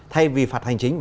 thay vì phạt hành chính